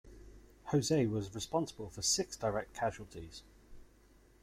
Jose was responsible for six direct casualties.